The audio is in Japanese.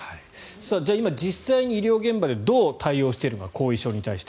じゃあ、今実際に医療現場でどう対応しているのか後遺症に対して。